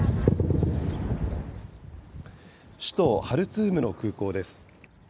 首都ハルツームの空港です。